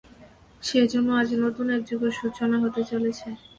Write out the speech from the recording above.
সেজন্য আজ নতুন এক যুগের সূচনা হতে চলেছে।